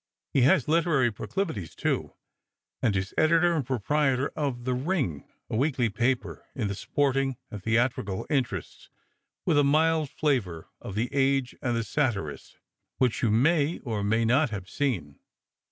He has literary proclivities, too, and is editor and proprietor of the Ring, a weekly paper m the sporting and theatrical interests, with a mild flavour of the Age and the Satirist, which you may or may not have seen."